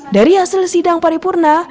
dari hasil sidang paripurna